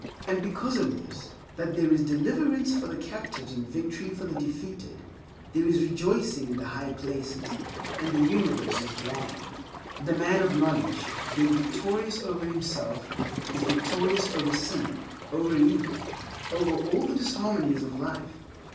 And because of this—that there is deliverance for the captives and victory for the defeated—there is rejoicing in the High Places, and the universe is glad. The man of knowledge, being victorious over himself, is victorious over sin, over evil, over all the disharmonies of life.